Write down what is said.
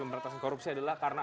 pemberantasan korupsi adalah karena